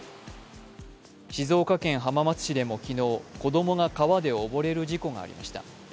静岡県浜松市でも昨日、子供が川で溺れる事故がありました。